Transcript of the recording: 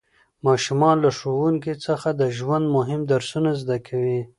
ماشومان له ښوونکي څخه د ژوند مهم درسونه زده کوي